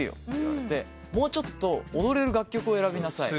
「もうちょっと踊れる楽曲を選びなさい」